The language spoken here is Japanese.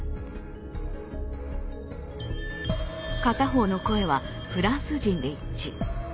片方の声はフランス人で一致。